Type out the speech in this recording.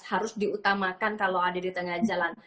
harus diutamakan kalau ada di tengah jalan